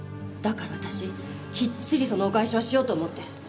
だから私きっちりそのお返しはしようと思って。